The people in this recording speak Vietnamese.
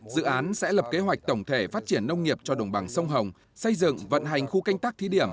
dự án sẽ lập kế hoạch tổng thể phát triển nông nghiệp cho đồng bằng sông hồng xây dựng vận hành khu canh tác thí điểm